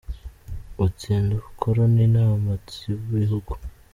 Utsinda ubukoroni na mpatsibihugu